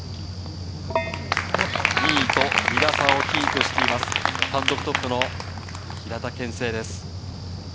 ２位と２打差をキープしています、単独トップの平田憲聖です。